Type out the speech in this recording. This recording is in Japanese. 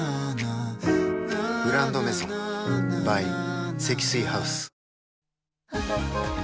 「グランドメゾン」ｂｙ 積水ハウス